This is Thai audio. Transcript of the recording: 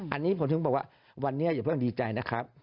อันนี้ผมถึงบอกว่าวันนี้อย่าเพิ่งดีใจนะครับ